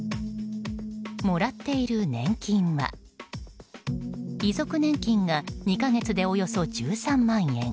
もらっている年金は遺族年金が２か月でおよそ１３万円。